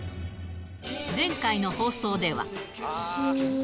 前回の放送では。